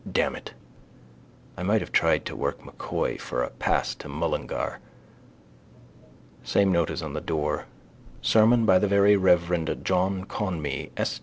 Damn it. I might have tried to work M'Coy for a pass to Mullingar. Same notice on the door. Sermon by the very reverend John Conmee S.